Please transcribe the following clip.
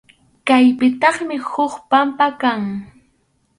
Kaypitaqmi huk pampa kan.